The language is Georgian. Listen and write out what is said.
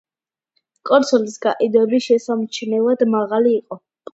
კონსოლის გაყიდვები შესამჩნევად მაღალი იყო.